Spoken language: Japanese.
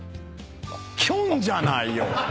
きょんじゃないよ！